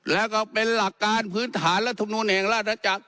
แล้วก็เป็นหลักการพื้นฐานรัฐมนุนแห่งราชจักร